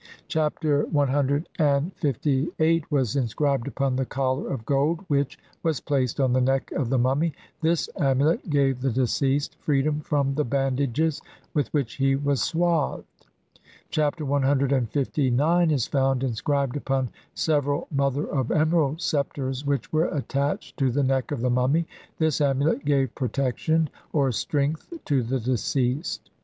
Chap ter CLVIII was inscribed upon the collar of gold which was placed on the neck of the mummy ; this amulet gave the deceased freedom from the bandages with which he was swathed. Chapter CLIX is found in scribed upon several mother of emerald sceptres which were attached to the neck of the mummy ; this amu let gave "protection" or "strength" to the deceased.